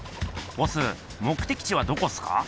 ボス目的地はどこっすか？